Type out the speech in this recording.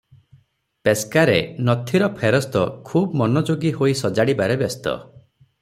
ପେସ୍କାରେ ନଥିର ଫେରସ୍ତ ଖୁବ୍ ମନଯୋଗୀ ହୋଇ ସଜାଡ଼ିବାରେ ବ୍ୟସ୍ତ ।